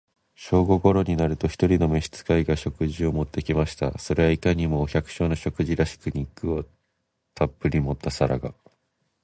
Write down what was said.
正午頃になると、一人の召使が、食事を持って来ました。それはいかにも、お百姓の食事らしく、肉をたっぶり盛った皿が、